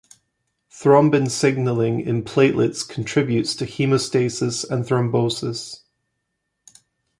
Thrombin signalling in platelets contributes to hemostasis and thrombosis.